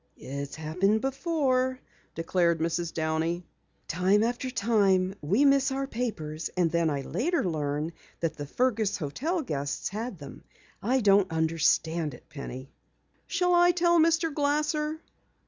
"It's happened before," declared Mrs. Downey. "Time after time we miss our papers, and then I learn later that the Fergus hotel guests had them. I don't understand it, Penny." "Shall I tell Mr. Glasser?"